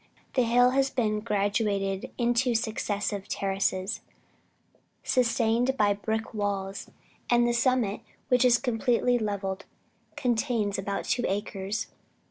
The hill has been graduated into successive terraces, sustained by brick walls; and the summit, which is completely leveled, contains about two acres.